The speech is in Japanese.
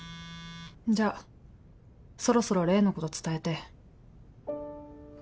じゃあそろそろ例のこと伝えて。